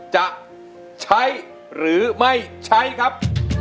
จะใช้หรือไม่ใช้ครับ